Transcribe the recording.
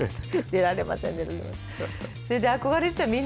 出られません。